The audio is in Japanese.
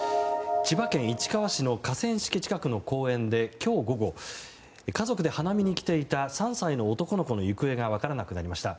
千葉県市川市の河川敷近くの公園で今日午後、家族で花見に来ていた３歳の男の子の行方が分からなくなりました。